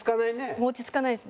もう落ち着かないです。